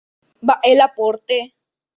Mba’e la pórte.